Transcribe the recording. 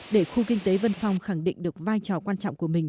để khu kinh tế vân phong khẳng định được vai trò quan trọng của mình